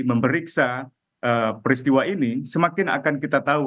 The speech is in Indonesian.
memeriksa peristiwa ini semakin akan kita tahu